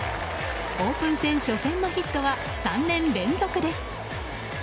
オープン戦初戦のヒットは３年連続です。